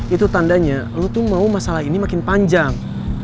itu tandanya lu tuh mau masalah ini makin panjang